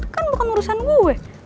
kan bukan urusan gue